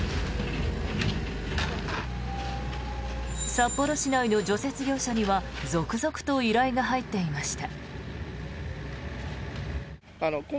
札幌市内の除雪業者には続々と依頼が入っていました。